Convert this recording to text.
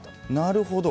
なるほど。